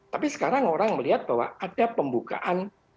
tapi sekarang orang melihat bahwa ada pembukaan